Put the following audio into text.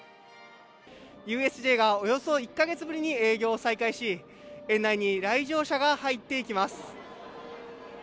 ＵＳＪがおよそ１か月ぶりに営業を再開し、園内に来場者が入っていきます。